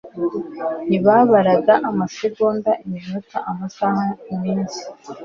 Ntibabaraga amasegonda, iminota, amasaha, iminsi,